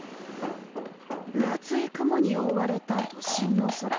分厚い雲に覆われた都心の空。